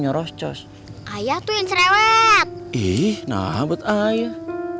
nyerocos ayah tuh yang serewet ih nah buat ayah